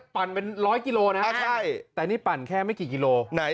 ปั่นเป็นร้อยกิโลนะใช่แต่นี่ปั่นแค่ไม่กี่กิโลไหน